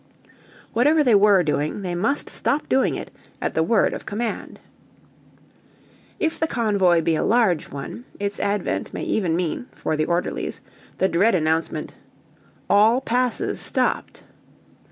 Whatever they were doing, they must stop doing it at the word of command. If the convoy be a large one, its advent may even mean, for the orderlies, the dread announcement, "All passes stopped."